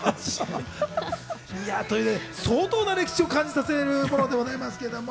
相当な歴史を変えさせるものでございますけれど、